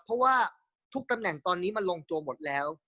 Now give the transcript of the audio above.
เพราะว่าทุกตำแหน่งตอนนี้มันลงตัวหมดแล้ว